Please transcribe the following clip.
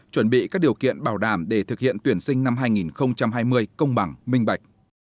chuẩn bị các điều kiện bảo đảm để thực hiện tuyển sinh năm hai nghìn hai mươi công bằng minh bạch